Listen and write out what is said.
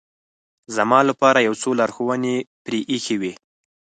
زما لپاره یو څو لارښوونې پرې اېښې وې.